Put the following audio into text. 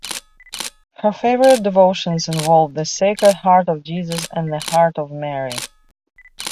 Her favorite devotions involved the Sacred Heart of Jesus and the Heart of Mary.